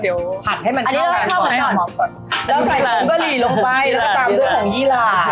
ใส่พริกแกงแล้วก็ใส่กะปินะคะค่ะที่ปรุงรสแบบรับพ่วนสักป้อนก็เดี๋ยวผัดให้มันเข้ามาก่อน